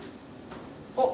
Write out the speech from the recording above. あっ！